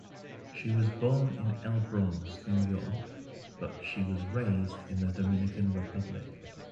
She was born in El Bronx, New York, but she was raised in the Dominican Republic.